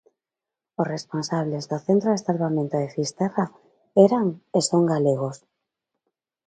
Os responsables do Centro de Salvamento de Fisterra eran e son galegos.